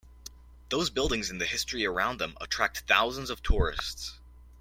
Those buildings and the history around them attract thousands of tourists.